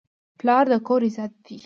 پلار د کور عزت دی.